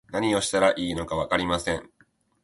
何をしたらいいのかわかりません